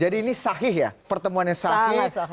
jadi ini sahih ya pertemuan yang sahih